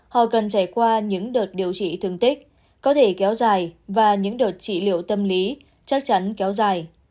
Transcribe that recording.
họ cần trải qua những đợt điều trị thương tích có thể kéo dài và những đợt trị liệu tâm lý chắc chắn kéo dài